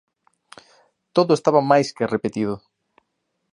Todo estaba máis ca repetido.